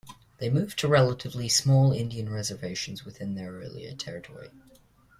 They moved to relatively small Indian reservations within their earlier territory.